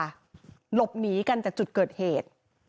หลบหนีกันจากจุดเกิดเหตุ